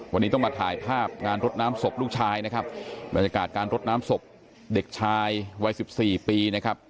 วันนี้ต้องมาถ่ายภาพงานรดน้ำศพลูกชายนะครับบรรยากาศการรดน้ำศพเด็กชายวัยสิบสี่ปีนะครับ